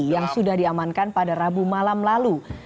yang sudah diamankan pada rabu malam lalu